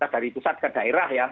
dari pusat ke daerah ya